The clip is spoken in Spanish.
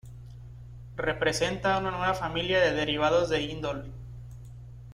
Representa una nueva familia de derivados de indol.